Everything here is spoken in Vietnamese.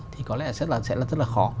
thì có lẽ sẽ là rất là khó